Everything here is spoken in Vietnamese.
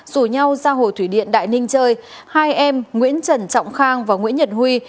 rủ nhau ra hồ thủy điện đại ninh chơi hai em nguyễn trần trọng khang và nguyễn nhật huy